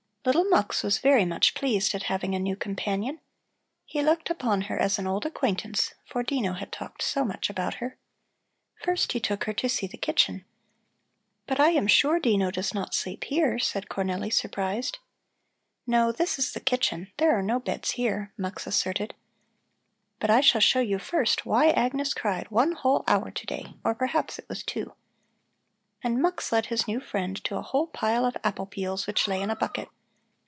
Little Mux was very much pleased at having a new companion. He looked upon her as an old acquaintance, for Dino had talked so much about her. First he took her to see the kitchen. "But I am sure Dino does not sleep here," said Cornelli, surprised. "No, this is the kitchen; there are no beds here," Mux asserted. "But I shall show you first why Agnes cried one whole hour to day, or perhaps it was two." And Mux led his new friend to a whole pile of apple peels which lay in a bucket.